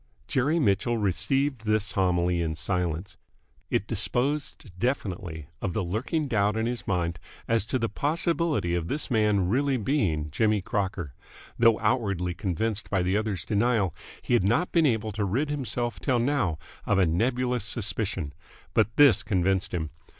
Jerry Mitchell received this homily in silence. It disposed definitely of the lurking doubt in his mind as to the possibility of this man really being Jimmy Crocker. Though outwardly convinced by the other's denial, he had not been able to rid himself till now of a nebulous suspicion. But this convinced him.